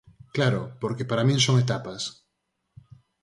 Claro, porque para min son etapas.